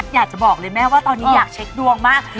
อยากจะบอกเลยแม่ว่าตอนนี้อยากเช็คดวงมาก